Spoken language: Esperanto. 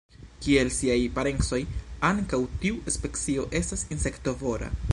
Kiel siaj parencoj, ankaŭ tiu specio estas insektovora.